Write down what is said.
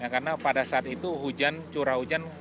karena pada saat itu hujan curah hujan